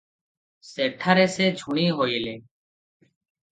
ସେଠାରେ ସେ ଝୁଣି ହୋଇଲେ ।